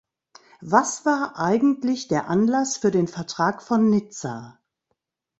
Was war eigentlich der Anlass für den Vertrag von Nizza?